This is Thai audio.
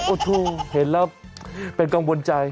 โอ้โหเห็นแล้วเป็นกังวลใจ